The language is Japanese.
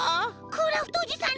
クラフトおじさん